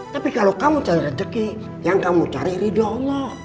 tapi kalau kamu cari rezeki yang kamu cari ridho allah